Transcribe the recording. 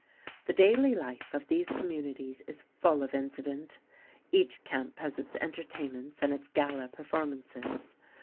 The daily life of these communities is full of incident. Each camp has its entertainments and its gala performances.